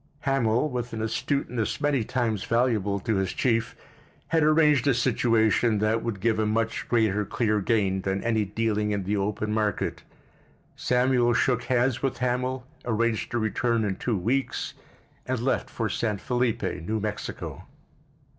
Hamil, with an astuteness many times valuable to his chief, had arranged a situation that would give a much greater clear gain than any dealing in the open market. Samuel shook hands with Hamil, arranged to return in two weeks, and left for San Felipe, New Mexico.